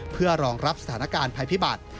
เพื่อรองรับสถานการณ์ภัยพิบัติ